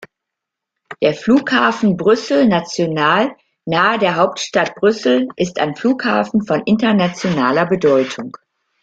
Der Flughafen Brüssel National nahe der Hauptstadt Brüssel ist ein Flughafen von internationaler Bedeutung.